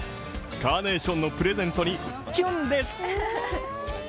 カーネーションのプレゼントにキュンです！